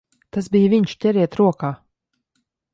Tas bija viņš! Ķeriet rokā!